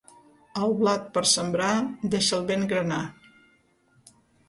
El blat per sembrar deixa'l ben granar.